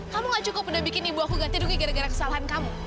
kamu gak cukup udah bikin ibu aku ganti rugi gara gara kesalahan kamu